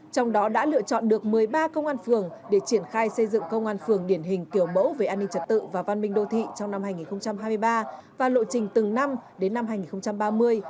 trong đó đã lựa chọn được một mươi ba công an phường để triển khai xây dựng công an phường điển hình kiểu mẫu về an ninh trật tự và văn minh đô thị trong năm hai nghìn hai mươi ba và lộ trình từng năm đến năm hai nghìn ba mươi